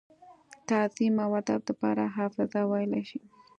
تعظيم او ادب دپاره حافظ وئيلی شي ۔